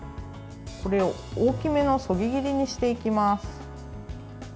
これを大きめのそぎ切りにしていきます。